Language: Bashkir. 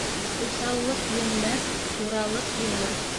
Уҫаллыҡ еңмәҫ, туралыҡ еңер.